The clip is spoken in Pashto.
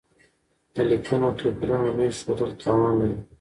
د ليکنيو توپيرونو لوی ښودل تاوان لري.